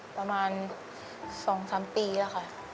ประมาณ๒๓ปีแล้วค่ะ